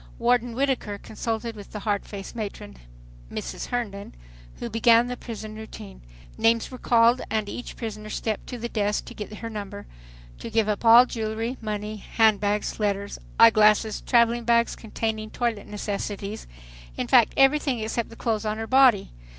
Warden Whittaker consulted with the hard faced matron, Mrs. Herndon, who began the prison routine. Names were called, and each prisoner stepped to the desk to get her number, to give up all jewelry, money, handbags, letters, eye glasses, traveling bags containing toilet necessities, in fact everything except the clothes on her body.